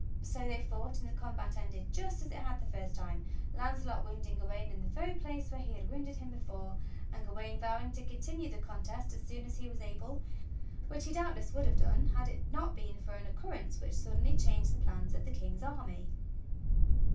So they fought, and the combat ended just as it had the first time — Launcelot wounding Gawain in the very place where he had wounded him before, and Gawain vowing to continue the contest as soon as he was able, which he doubtless would have done had it not been for an occurrence which suddenly changed the plans of the King's army.